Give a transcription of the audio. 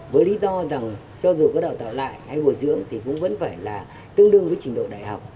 với lý do rằng cho dù có đào tạo lại hay bồi dưỡng thì cũng vẫn phải là tương đương với trình độ đại học